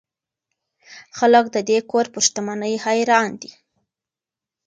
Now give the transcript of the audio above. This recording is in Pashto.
خلک د دې کور پر شتمنۍ حیران دي.